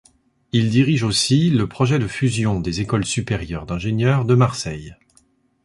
Il dirige aussi le projet de fusion des écoles supérieures d'ingénieurs de Marseille.